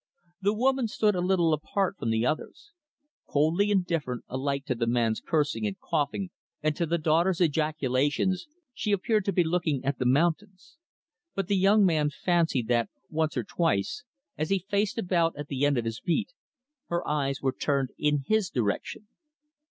The woman stood a little apart from the others. Coldly indifferent alike to the man's cursing and coughing and to the daughter's ejaculations, she appeared to be looking at the mountains. But the young man fancied that, once or twice, as he faced about at the end of his beat, her eyes were turned in his direction.